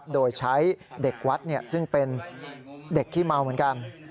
โดยใช้เด็กวัดซึ่งเป็นเด็กขี้เมาเหมือนกัน